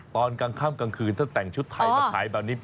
ตอนกลางค่ำกลางคืนถ้าแต่งชุดไทยมาขายแบบนี้